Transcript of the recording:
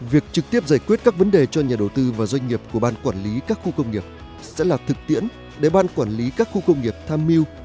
việc trực tiếp giải quyết các vấn đề cho nhà đầu tư và doanh nghiệp của ban quản lý các khu công nghiệp sẽ là thực tiễn để ban quản lý các khu công nghiệp tham mưu